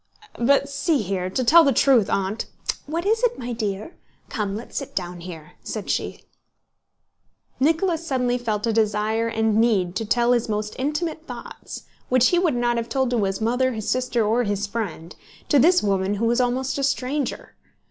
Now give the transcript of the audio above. "But see here, to tell the truth, Aunt..." "What is it, my dear? Come, let's sit down here," said she. Nicholas suddenly felt a desire and need to tell his most intimate thoughts (which he would not have told to his mother, his sister, or his friend) to this woman who was almost a stranger.